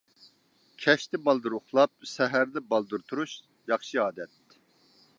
كەچتە بالدۇر ئۇخلاپ، سەھەردە بالدۇر تۇرۇش — ياخشى ئادەت.